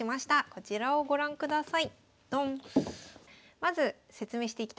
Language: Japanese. こちらをご覧ください。